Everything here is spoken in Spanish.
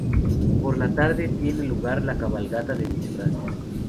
Por la tarde tiene lugar la cabalgata de disfraces.